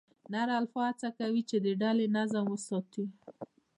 نر الفا هڅه کوي، چې د ډلې نظم وساتي.